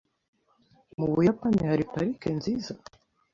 Mu Buyapani hari parike nziza?